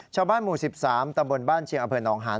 ชาวบ้านหมู่๑๓ตำบลบ้านเชียงอำเภอหนองหาน